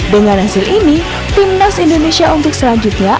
dengan hasil ini timnas indonesia untuk selanjutnya